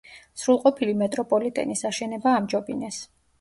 სრულყოფილი მეტროპოლიტენის აშენება ამჯობინეს.